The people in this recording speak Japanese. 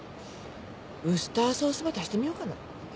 ウスターソースば足してみようかな。